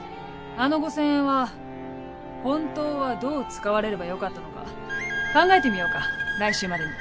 あの５０００円は本当はどう使われればよかったのか考えてみようか来週までに。